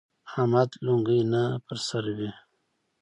احمد لونګۍ نه پر سروي.